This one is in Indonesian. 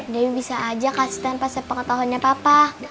debbie bisa aja kasih tanpa sepengetahunya papa